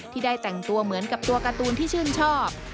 ที่ได้แต่งตัวเหมือนกับตัวการ์ตูนที่ชื่นชอบ